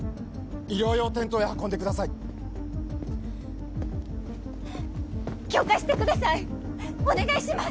医療用テントへ運んでください許可してくださいお願いします！